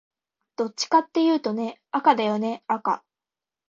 どっちかっていうとね、赤だよね赤